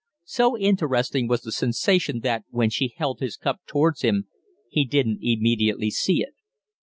So interesting was the sensation that, when she held his cup towards him, he didn't immediately see it.